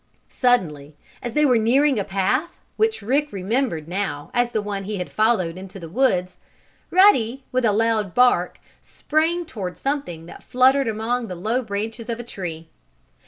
Suddenly, as they were nearing a path, which Rick remembered now as the one he had followed into the woods, Ruddy, with a loud bark, sprang toward something that fluttered among the low branches of a tree.